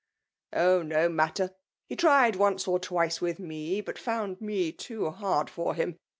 ^*' Oh ! no matter ! He tried once or twice with me, bat found me too hard for him.